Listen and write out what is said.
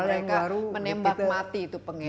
mereka menembak mati itu pengeta